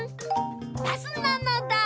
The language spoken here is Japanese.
バスなのだ！